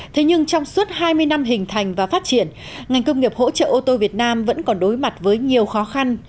thế nhưng trong suốt hai mươi năm hình thành và phát triển ngành công nghiệp hỗ trợ ô tô việt nam vẫn còn đối mặt với nhiều khó khăn